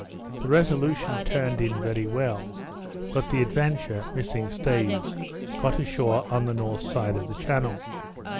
The Resolution turned in very well, but the Adventure, missing stays, got ashore on the north side of the channel.